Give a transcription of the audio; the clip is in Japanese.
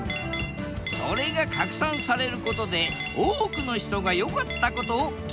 それが拡散されることで多くの人が良かったことを共有。